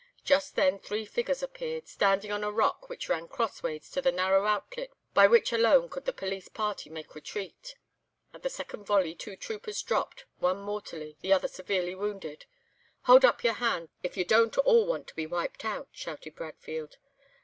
Just then three figures appeared, standing on a rock which ran crossways to the narrow outlet by which alone could the police party mak' retreat. "At the second volley two troopers dropped, one mortally, the other severely, wounded. 'Hold up your hands, if you don't all want to be wiped out,' shouted Bradfield.